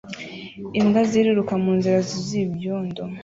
Imbwa ziriruka munzira zuzuye ibyondo